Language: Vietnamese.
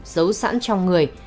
giấu sẵn trong người